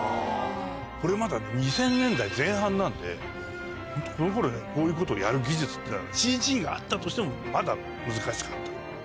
これまだ２０００年代前半なんでこの頃にはこういうことをやる技術っていうのはＣＧがあったとしてもまだ難しかった。